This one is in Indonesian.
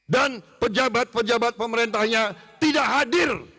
dan pejabat pejabat pemerintahnya tidak hadir